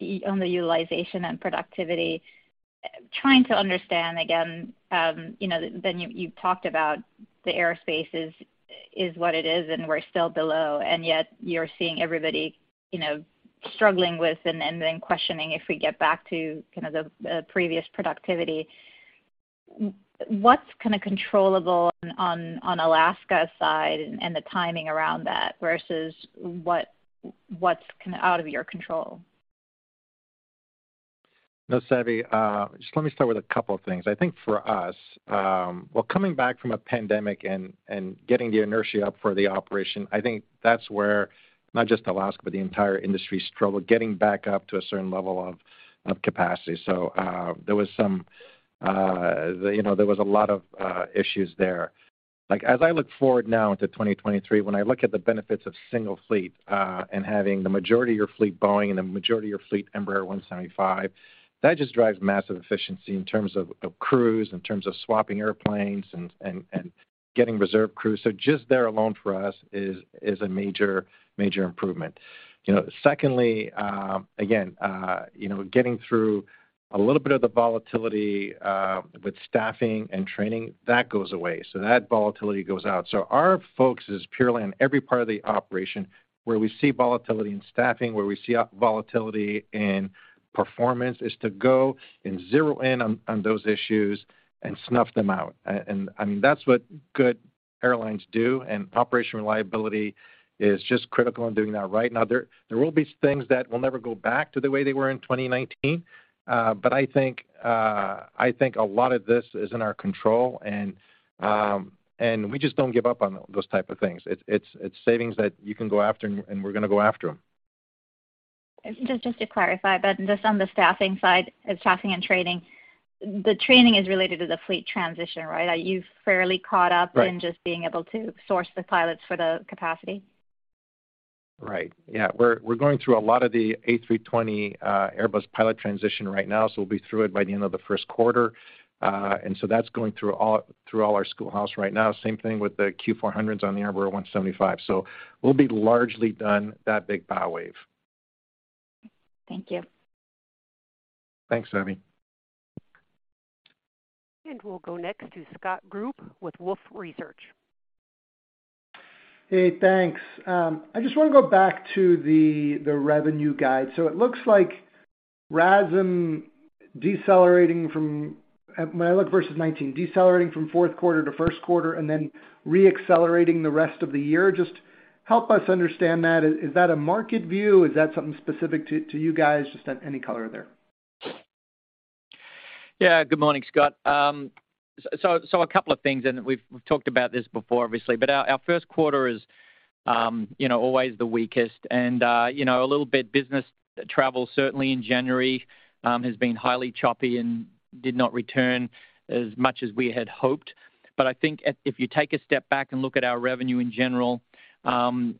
S12: the utilization and productivity, trying to understand again, you know, then you talked about the aerospace is what it is, and we're still below, and yet you're seeing everybody, you know, struggling with and then questioning if we get back to kind of the previous productivity. What's kinda controllable on Alaska's side and the timing around that versus what's kinda out of your control?
S3: Savi, just let me start with a couple of things. I think for us, well, coming back from a pandemic and getting the inertia up for the operation, I think that's where not just Alaska, but the entire industry struggled getting back up to a certain level of capacity. There was some, you know, there was a lot of issues there. As I look forward now to 2023, when I look at the benefits of single fleet, and having the majority of your fleet Boeing and the majority of your fleet Embraer 175, that just drives massive efficiency in terms of crews, in terms of swapping airplanes and getting reserve crews. Just there alone for us is a major improvement. You know, secondly, again, you know, getting through a little bit of the volatility, with staffing and training, that goes away. That volatility goes out. Our focus is purely on every part of the operation where we see volatility in staffing, where we see volatility in performance, is to go and zero in on those issues and snuff them out. I mean, that's what good airlines do, and operation reliability is just critical in doing that right now. There will be things that will never go back to the way they were in 2019. I think a lot of this is in our control, and we just don't give up on those type of things. It's savings that you can go after, and we're gonna go after them.
S12: Just to clarify, just on the staffing side, staffing and training, the training is related to the fleet transition, right? Are you fairly caught up-
S3: Right.
S12: in just being able to source the pilots for the capacity?
S3: Right. Yeah. We're going through a lot of the A320 Airbus pilot transition right now, so we'll be through it by the end of the first quarter. That's going through all our schoolhouse right now. Same thing with the Q400s on the Embraer 175. We'll be largely done that big bow wave.
S12: Thank you.
S3: Thanks, Savi.
S1: We'll go next to Scott Group with Wolfe Research.
S13: Hey, thanks. I just wanna go back to the revenue guide. It looks like RASM decelerating from when I look versus 19, decelerating from fourth quarter to first quarter and then re-accelerating the rest of the year. Just help us understand that. Is that a market view? Is that something specific to you guys? Just any color there.
S4: Good morning, Scott. A couple of things, and we've talked about this before, obviously. Our first quarter is, you know, always the weakest. You know, a little bit business travel, certainly in January, has been highly choppy and did not return as much as we had hoped. I think if you take a step back and look at our revenue in general, and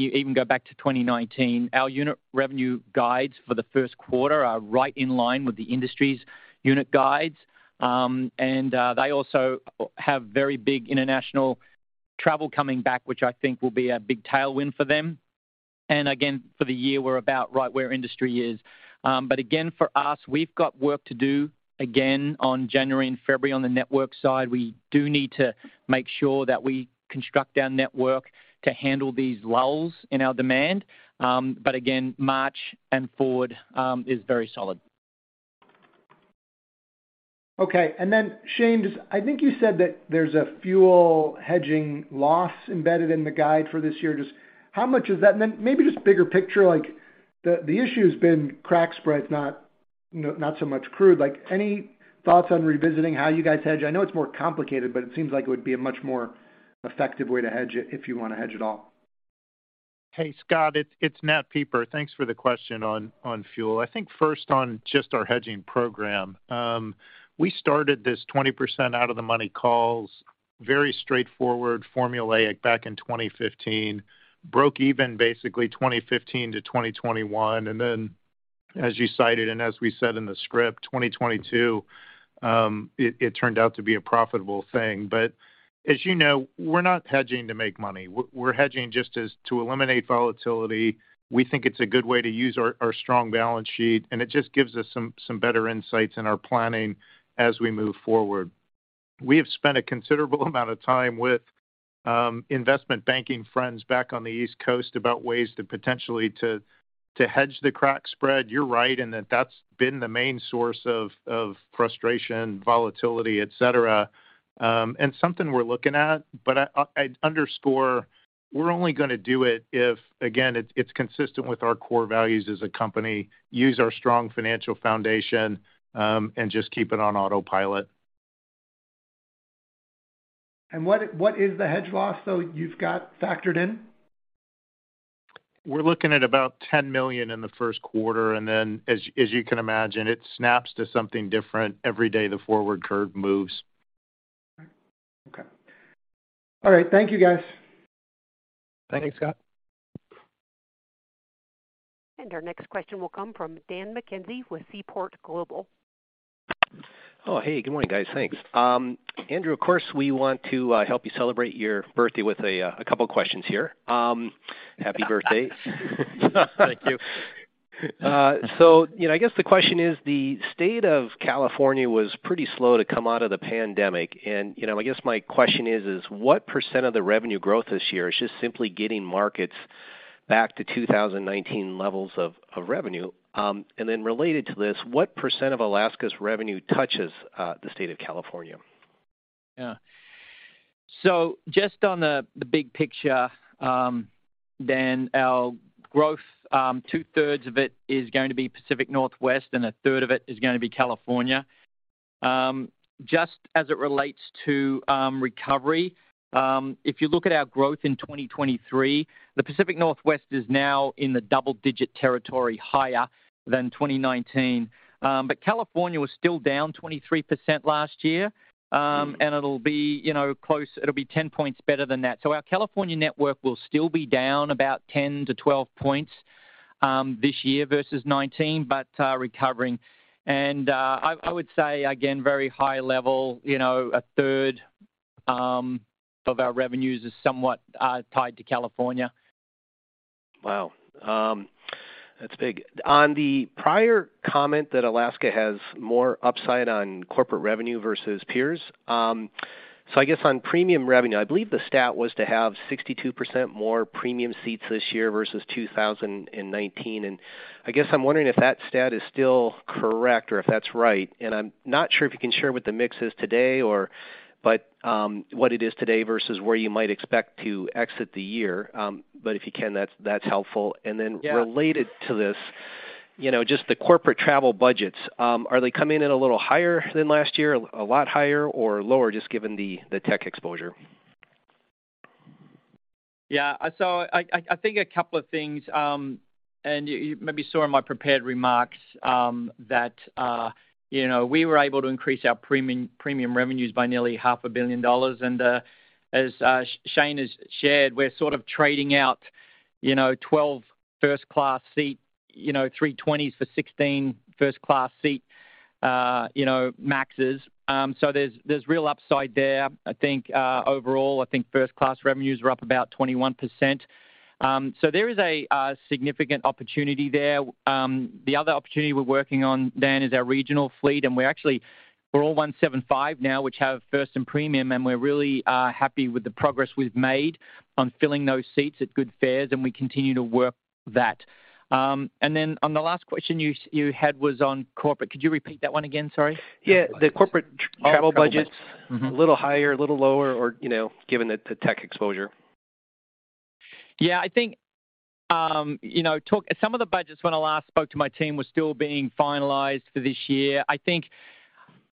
S4: you even go back to 2019, our unit revenue guides for the first quarter are right in line with the industry's unit guides. They also have very big international travel coming back, which I think will be a big tailwind for them. Again, for the year, we're about right where industry is. Again, for us, we've got work to do again on January and February on the network side. We do need to make sure that we construct our network to handle these lulls in our demand. Again, March and forward is very solid.
S13: Okay. Shane, I think you said that there's a fuel hedging loss embedded in the guide for this year. Just how much is that? Maybe just bigger picture, like the issue has been crack spread, not so much crude. Like, any thoughts on revisiting how you guys hedge? I know it's more complicated, but it seems like it would be a much more effective way to hedge it if you want to hedge at all.
S3: Hey, Scott, it's Nat Pieper. Thanks for the question on fuel. I think first on just our hedging program, we started this 20% out of the money calls, very straightforward, formulaic back in 2015. Broke even basically 2015 to 2021. As you cited and as we said in the script, 2022, it turned out to be a profitable thing. As you know, we're not hedging to make money. We're hedging just as to eliminate volatility. We think it's a good way to use our strong balance sheet, and it just gives us some better insights in our planning as we move forward. We have spent a considerable amount of time with investment banking friends back on the East Coast about ways to potentially to hedge the crack spread. You're right in that that's been the main source of frustration, volatility, etc. and something we're looking at, but I'd underscore we're only gonna do it if, again, it's consistent with our core values as a company, use our strong financial foundation, and just keep it on autopilot.
S13: What is the hedge loss, though, you've got factored in?
S3: We're looking at about $10 million in the first quarter, and then as you can imagine, it snaps to something different every day the forward curve moves.
S13: Okay. All right. Thank you, guys.
S3: Thanks, Scott.
S1: Our next question will come from Daniel McKenzie with Seaport Global.
S14: Hey, good morning, guys. Thanks. Andrew, of course, we want to help you celebrate your birthday with a couple of questions here. Happy birthday.
S4: Thank you.
S14: You know, I guess the question is, the state of California was pretty slow to come out of the pandemic and, you know, I guess my question is what % of the revenue growth this year is just simply getting markets back to 2019 levels of revenue? Related to this, what % of Alaska's revenue touches the state of California?
S4: Yeah. Just on the big picture, our growth, 2/3 of it is going to be Pacific Northwest, and 1/3 of it is going to be California. Just as it relates to recovery, if you look at our growth in 2023, the Pacific Northwest is now in the double-digit territory higher than 2019. California was still down 23% last year, and it'll be, you know, it'll be 10 points better than that. Our California network will still be down about 10-12 points this year versus 2019, but recovering. I would say again, very high level, you know, 1/3 of our revenues is somewhat tied to California.
S14: Wow. That's big. On the prior comment that Alaska has more upside on corporate revenue versus peers. I guess on premium revenue, I believe the stat was to have 62% more premium seats this year versus 2019. I guess I'm wondering if that stat is still correct or if that's right. I'm not sure if you can share what the mix is today or but what it is today versus where you might expect to exit the year. If you can, that's helpful.
S4: Yeah.
S14: Related to this, you know, just the corporate travel budgets, are they coming in a little higher than last year, a lot higher or lower just given the tech exposure?
S4: I think a couple of things, and you maybe saw in my prepared remarks, we were able to increase our premium revenues by nearly half a billion dollars. As Shane has shared, we're sort of trading out 12 first class seat A320 for 16 first class seat MAXs. There's real upside there. I think overall, I think first class revenues are up about 21%. There is a significant opportunity there. The other opportunity we're working on then is our regional fleet, and we're all Embraer 175 now, which have first and premium, and we're really happy with the progress we've made on filling those seats at good fares, and we continue to work that. On the last question you had was on corporate. Could you repeat that one again, sorry?
S14: Yeah. The corporate travel budgets. A little higher, a little lower, or, you know, given the tech exposure?
S4: Yeah. I think, you know, Some of the budgets when I last spoke to my team were still being finalized for this year. I think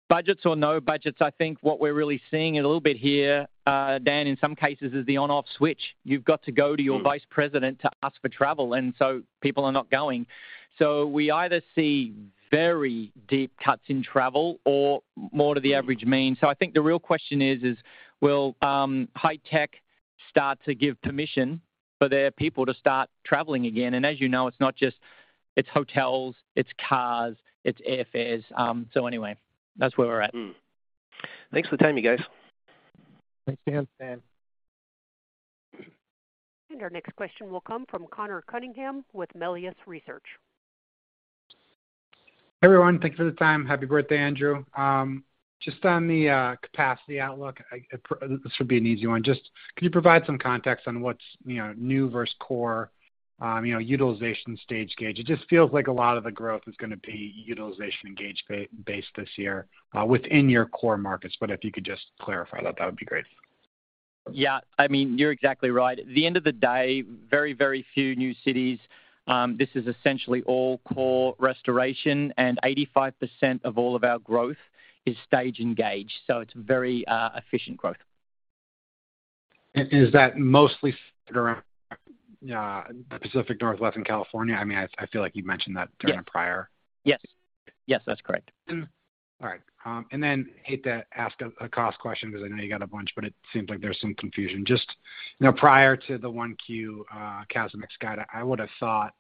S4: budgets or no budgets, I think what we're really seeing a little bit here, Dan, in some cases is the on/off switch. You've got to go to your vice president to ask for travel. People are not going. We either see very deep cuts in travel or more to the average mean. I think the real question is will high tech start to give permission for their people to start traveling again? As you know, it's hotels, it's cars, it's airfares. Anyway, that's where we're at.
S14: Thanks for the time, you guys.
S4: Thanks, Dan.
S14: Dan.
S1: Our next question will come from Connor Cunningham with Melius Research.
S15: Everyone, thanks for the time. Happy birthday, Andrew. Just on the capacity outlook, this should be an easy one. Just can you provide some context on what's, you know, new versus core, you know, utilization stage gauge? It just feels like a lot of the growth is gonna be utilization and gauge based this year, within your core markets. If you could just clarify that would be great.
S4: Yeah. I mean, you're exactly right. At the end of the day, very, very few new cities, this is essentially all core restoration. 85% of all of our growth is stage engaged. It's very efficient growth.
S15: Is that mostly around the Pacific Northwest and California? I mean, I feel like you've mentioned that during a prior...
S4: Yes. Yes, that's correct.
S15: All right. Hate to ask a cost question because I know you got a bunch, but it seems like there's some confusion. Just, you know, prior to the 1Q CASM-ex guide, I would have thought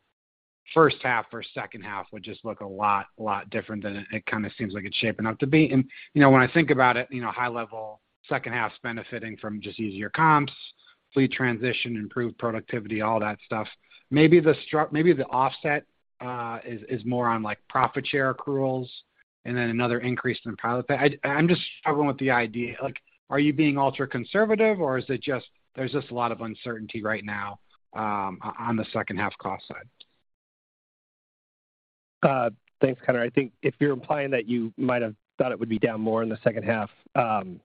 S15: first half versus second half would just look a lot different than it kind of seems like it's shaping up to be. You know, when I think about it, you know, high level second half is benefiting from just easier comps, fleet transition, improved productivity, all that stuff. Maybe the offset is more on, like, profit share accruals and then another increase in pilot pay. I'm just struggling with the idea. Like, are you being ultra-conservative, or is it just there's a lot of uncertainty right now on the second half cost side?
S4: Thanks, Connor. I think if you're implying that you might have thought it would be down more in the second half, I'm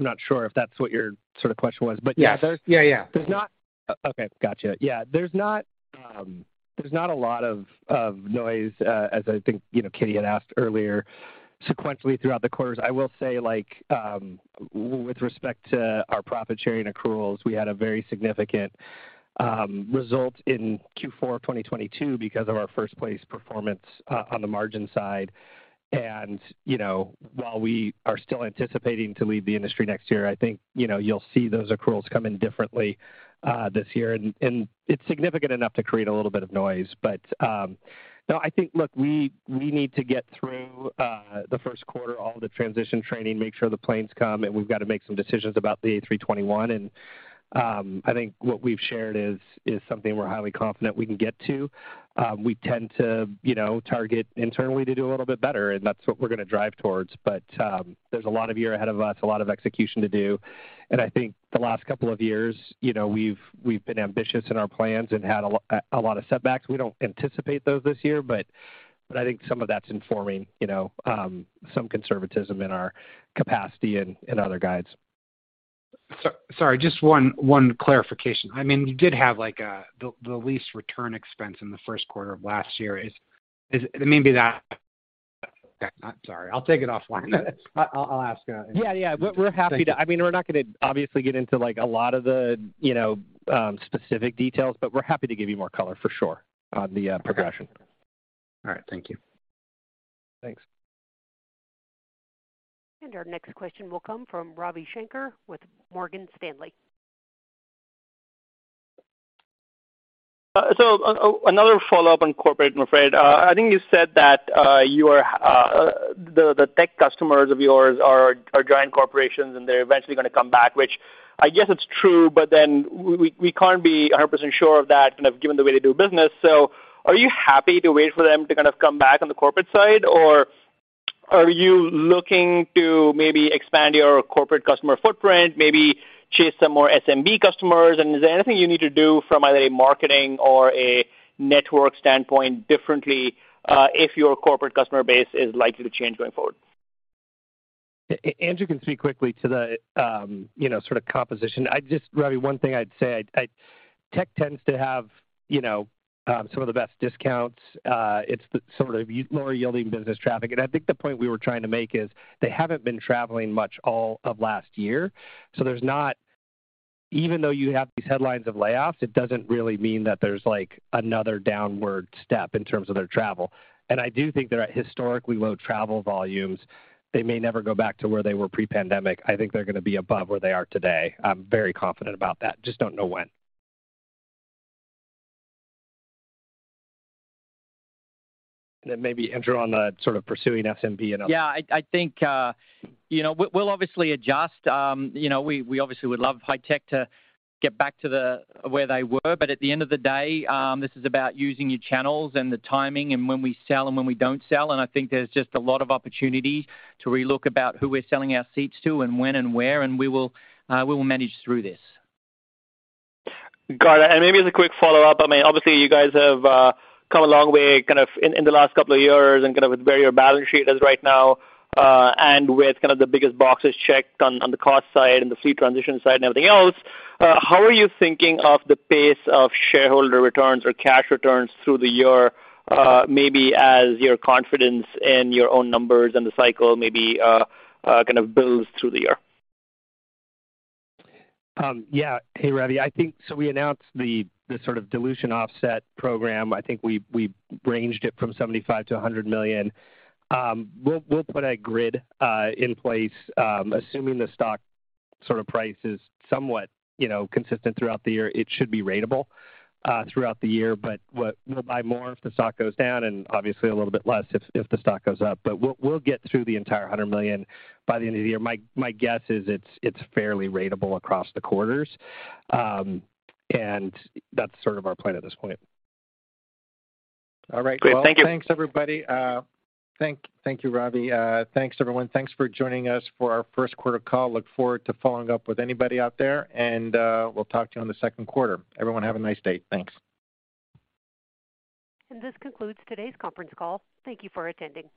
S4: not sure if that's what your sort of question was?
S15: Yeah.
S4: There's.
S15: Yeah, yeah.
S4: Okay. Gotcha. Yeah, there's not a lot of noise, as I think, you know, Kitty had asked earlier sequentially throughout the quarters. I will say, like, with respect to our profit sharing accruals, we had a very significant,
S5: Result in Q4 of 2022 because of our first place performance on the margin side. You know, while we are still anticipating to lead the industry next year, I think, you know, you'll see those accruals come in differently this year. It's significant enough to create a little bit of noise. No, I think. Look, we need to get through the first quarter, all of the transition training, make sure the planes come, we've got to make some decisions about the A321. I think what we've shared is something we're highly confident we can get to. We tend to, you know, target internally to do a little bit better, and that's what we're gonna drive towards. There's a lot of year ahead of us, a lot of execution to do, and I think the last couple of years, you know, we've been ambitious in our plans and had a lot of setbacks. We don't anticipate those this year, but I think some of that's informing, you know, some conservatism in our capacity and other guides.
S16: Sorry, just one clarification. I mean, you did have, like, the lease return expense in the first quarter of last year is... Maybe that... Okay, I'm sorry. I'll take it offline then. I'll ask.
S5: Yeah, yeah. We're happy to-
S16: Thank you.
S5: I mean, we're not gonna obviously get into, like, a lot of the, you know, specific details, but we're happy to give you more color for sure on the progression.
S16: All right. Thank you.
S5: Thanks.
S1: Our next question will come from Ravi Shanker with Morgan Stanley.
S17: Another follow-up on corporate, Andrew. I think you said that you are the tech customers of yours are giant corporations, and they're eventually gonna come back, which I guess it's true, we can't be 100% sure of that kind of given the way they do business. Are you happy to wait for them to kind of come back on the corporate side, or are you looking to maybe expand your corporate customer footprint, maybe chase some more SMB customers? Is there anything you need to do from either a marketing or a network standpoint differently, if your corporate customer base is likely to change going forward?
S5: Andrew can speak quickly to the, you know, sort of composition. Ravi, one thing I'd say, I, tech tends to have, you know, some of the best discounts. It's the sort of lower-yielding business traffic. I think the point we were trying to make is they haven't been traveling much all of last year. Even though you have these headlines of layoffs, it doesn't really mean that there's, like, another downward step in terms of their travel. I do think they're at historically low travel volumes. They may never go back to where they were pre-pandemic. I think they're gonna be above where they are today. I'm very confident about that, just don't know when. Then maybe, Andrew, on the sort of pursuing SMB and.
S4: I think, you know, we'll obviously adjust. You know, we obviously would love high tech to get back to the, where they were, but at the end of the day, this is about using your channels and the timing and when we sell and when we don't sell, and I think there's just a lot of opportunity to relook about who we're selling our seats to and when and where, and we will manage through this.
S17: Got it. Maybe as a quick follow-up, I mean, obviously you guys have come a long way kind of in the last couple of years and kind of where your balance sheet is right now, and with kind of the biggest boxes checked on the cost side and the fleet transition side and everything else, how are you thinking of the pace of shareholder returns or cash returns through the year, maybe as your confidence in your own numbers and the cycle maybe kind of builds through the year?
S5: Yeah. Hey, Ravi. We announced the sort of dilution offset program. We ranged it from $75 million-$100 million. We'll put a grid in place, assuming the stock sort of price is somewhat, you know, consistent throughout the year. It should be ratable throughout the year. We'll buy more if the stock goes down, and obviously a little bit less if the stock goes up. We'll get through the entire $100 million by the end of the year. My guess is it's fairly ratable across the quarters. That's sort of our plan at this point.
S17: All right.
S5: Great. Thank you.
S16: Well, thanks, everybody. Thank you, Ravi. Thanks, everyone. Thanks for joining us for our first quarter call. Look forward to following up with anybody out there, and we'll talk to you on the second quarter. Everyone have a nice day. Thanks.
S1: This concludes today's conference call. Thank you for attending.